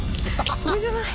これじゃない？